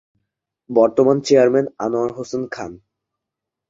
বর্তমান চেয়ারম্যান- আনোয়ার হোসেন খান